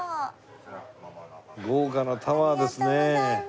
豪華なタワーですね。